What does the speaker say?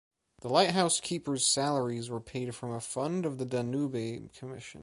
The lighthouse-keepers’ salaries were paid from a fund of the Danube Commission.